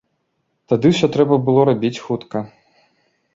Тады ўсё трэба было рабіць хутка.